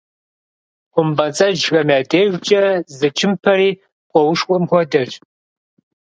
Хъумпӏэцӏэджхэм я дежкӏэ зы чымпэри пкъоушхуэм хуэдэщ.